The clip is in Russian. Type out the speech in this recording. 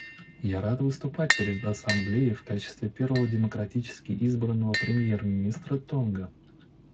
Я рад выступать перед Ассамблеей в качестве первого демократически избранного премьер-министра Тонга.